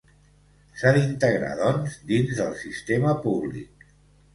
S'ha d'integrar doncs dins del sistema públic.